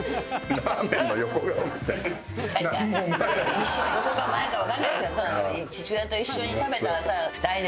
横か前かわからないけどさ父親と一緒に食べたさ。